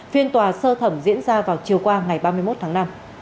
phiên tòa sơ thẩm diễn ra vào chiều qua ngày ba mươi một tháng năm